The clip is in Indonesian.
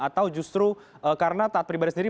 atau justru karena taat pribadi sendiri